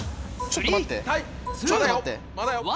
ちょっと待ってちょっと待って。